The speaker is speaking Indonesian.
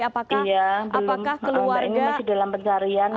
iya belum mbak ini masih dalam pencarian